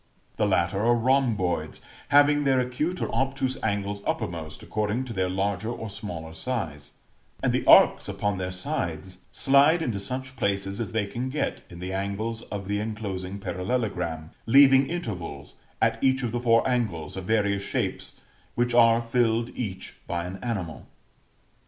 The latter are rhomboids, having their acute or obtuse angles uppermost according to their larger or smaller size; and the arcs upon their sides slide into such places as they can get in the angles of the enclosing parallelogram, leaving intervals, at each of the four angles, of various shapes, which are filled each by an animal.